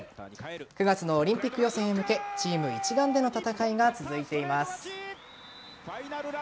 ９月のオリンピック予選へ向けチーム一丸での戦いが続いています。